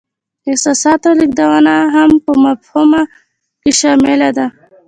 د احساساتو لیږدونه هم په مفاهمه کې شامله ده.